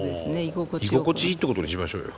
居心地いいってことにしましょうよ。